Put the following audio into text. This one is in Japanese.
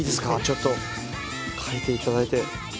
ちょっと書いていただいて。